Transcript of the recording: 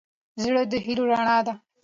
زړه د هيلو رڼا ده.